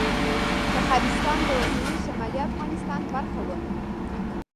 تخارستان د اوسني شمالي افغانستان برخه وه